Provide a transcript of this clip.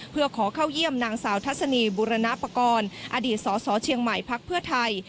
เพื่อขอเข้าเยี่ยมนางสาวทัศนีบุรณปกรณ์อดีตสสเชียงใหม่พักเพื่อไทย